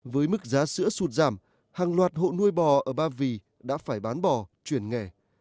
với mức giá sữa sụt giảm hàng loạt hộ nuôi bò ở ba vì đã phải bán bò chuyển nghề